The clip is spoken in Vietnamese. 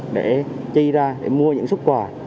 để chi ra để mua những sức quà